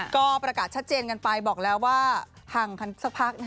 ก็ประกาศชัดเจนกันไปบอกแล้วว่าห่างกันสักพัก